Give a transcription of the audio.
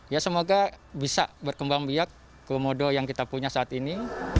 ya semoga bisa berkembang biak komodo yang kita punya saat ini